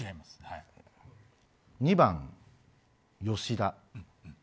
２番、吉田。